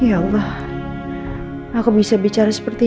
ya allah aku bisa bicara seperti